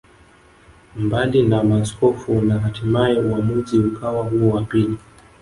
Mbali na maaskofu na hatimae uamuzi ukawa huo wa pili